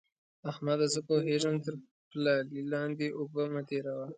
احمده! زه پوهېږم؛ تر پلالې لاندې اوبه مه تېروه.